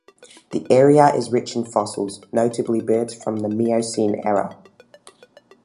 The area is rich in fossils, notably birds from the Miocene era.